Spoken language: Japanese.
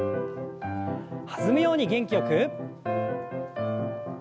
弾むように元気よく。